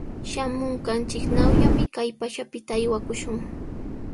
Shamunqanchiknawllami kay pachapita aywakushun.